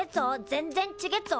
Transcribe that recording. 全然ちげっぞ。